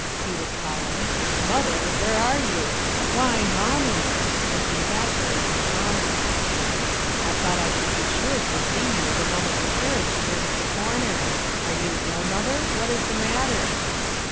he was calling. "Mother I Where are you? Why, raommie I" and he had her in his arms* "I thought I should be sure to see you the moment the carnage turned the corner 1 Are you ill, mother ? What is the matter